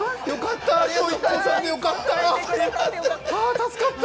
助かった。